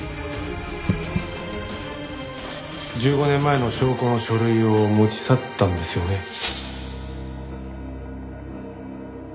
１５年前の証拠の書類を持ち去ったんですよね。